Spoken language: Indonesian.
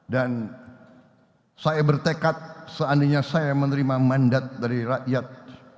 saya bertekad seandainya saya menerima mandat dari rakyat